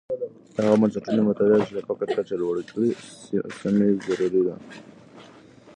د هغه بنسټونو مطالعه چې د فقر کچه لوړه کړې سي، ضروری ده.